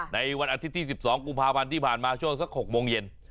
ในวันอาทิตย์ที่๑๒กุมภาพันธ์ที่ผ่านมาช่วงสัก๖โมงเย็น